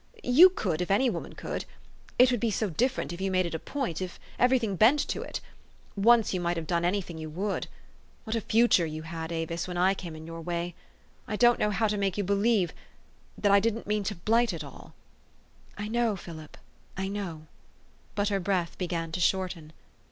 You could, if any woman could. It would be so different if you made it a point, if every thing bent to it. Once you might have done any thing you would. What a future you had, Avis, when I came in your way ! I don't know how to make you believe that I didn't mean to blight it all." " I know, I know, Philip." But her breath be gan to shorten.